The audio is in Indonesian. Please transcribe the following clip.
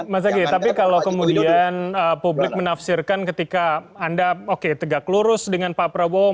mas zaky tapi kalau kemudian publik menafsirkan ketika anda oke tegak lurus dengan pak prabowo